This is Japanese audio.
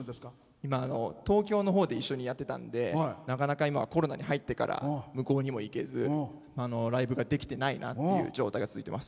今、東京のほうで一緒にやってたんでなかなか、コロナになってから向こうにも行けず、ライブができていないなっていう状態が続いています。